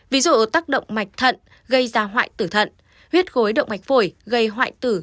ví dụ tắc động mạch thận gây ra hoại tử thận huyết gối động mạch phổi gây hoại tử